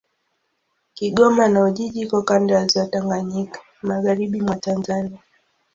Kigoma na Ujiji iko kando ya Ziwa Tanganyika, magharibi mwa Tanzania.